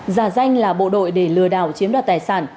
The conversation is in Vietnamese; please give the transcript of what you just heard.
giả danh là bộ đội để lừa đảo chiếm đoạt tài sản